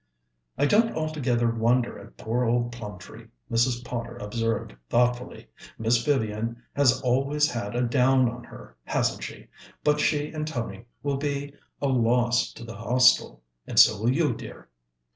"I don't altogether wonder at poor old Plumtree," Mrs. Potter observed thoughtfully. "Miss Vivian has always had a down on her, hasn't she? But she and Tony will be a loss to the Hostel, and so will you, dear."